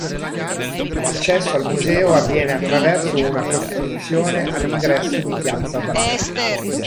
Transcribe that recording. L'accesso al museo avviene attraverso una costruzione all'ingresso di Piazza Bra.